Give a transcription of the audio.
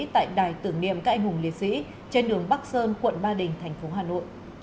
tại đài tưởng niệm các anh hùng liệt sĩ trên đường bắc sơn quận ba đình thành phố hà nội